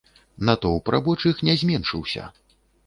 Натоўп рабочых не зменшыўся.